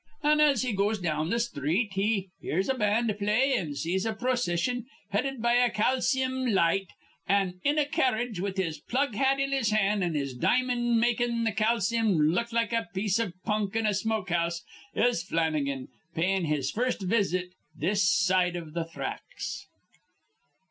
"An', as he goes down th' sthreet, he hears a band play an' sees a procission headed be a calceem light; an', in a carredge, with his plug hat in his hand an' his di'mond makin' th' calceem look like a piece iv punk in a smoke house, is Flannigan, payin' his first visit this side iv th' thracks."